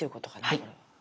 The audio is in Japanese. はい。